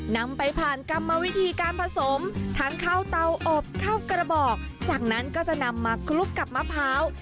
นำไปผ่านกรรมวิธีการผสมทั้งข้าวเตาอบข้าวกระบอกจากนั้นก็จะนำมาคลุกกับมะพร้าว